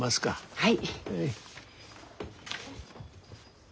はい。